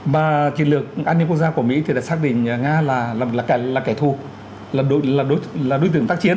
mà chiến lược an ninh quốc gia của mỹ thì đã xác định nga là kẻ thù là đối tượng tác chiến